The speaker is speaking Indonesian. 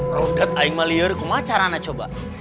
rodot yang melihari kumacarana coba